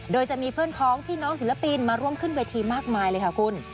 โดยจะมีเพื่อนพ้องพี่น้องศิลปินมาร่วมขึ้นเวทีมากมายเลยค่ะคุณ